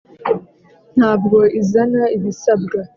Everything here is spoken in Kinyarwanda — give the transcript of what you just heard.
ntabwo izana ibisabwa